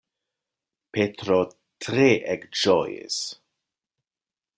Petro tre ekĝojis!